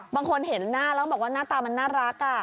บางคนเห็นหน้าแล้วบอกว่าหน้าตามันน่ารัก